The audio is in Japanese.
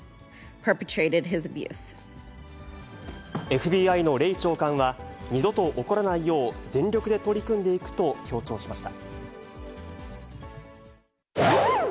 ＦＢＩのレイ長官は、二度と起こらないよう全力で取り組んでいくと強調しました。